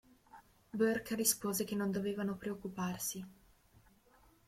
Burke rispose che non dovevano preoccuparsi.